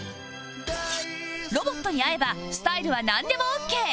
『ロボット』に合えばスタイルはなんでもオーケー